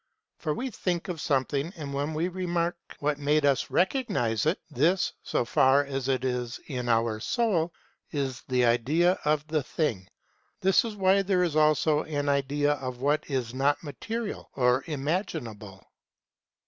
For w r e think of something and when we remark what made us recognize it, this, so far as it is in our soul, is the idea of the thing. This is why there is also an idea of what is not material or imaginable.